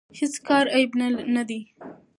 هیڅ کار عیب نه دی.